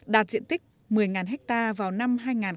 đạt diện tích một mươi ha vào năm hai nghìn hai mươi